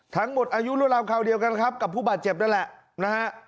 อายุรั่วราวคราวเดียวกันครับกับผู้บาดเจ็บนั่นแหละนะฮะ